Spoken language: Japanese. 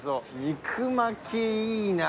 肉巻き。